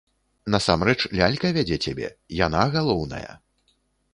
Насамрэч лялька вядзе цябе, яна галоўная!